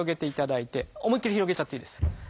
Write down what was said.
思いっきり広げちゃっていいです。